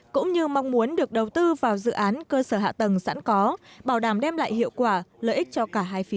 cũng như mong muốn được đầu tư vào dự án cơ sở hạ tầng sẵn có bảo đảm đem lại hiệu quả lợi ích cho cả hai phía